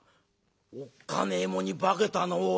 「おっかねえもんに化けたなおい。